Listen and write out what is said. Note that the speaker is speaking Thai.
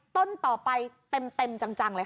ต้นต่อไปเต็มจังเลยค่ะ